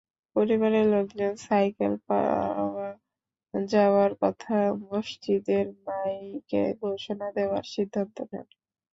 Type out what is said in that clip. পরিবারের লোকজন সাইকেল পাওয়া যাওয়ার কথা মসজিদের মাইকে ঘোষণা দেওয়ার সিদ্ধান্ত নেন।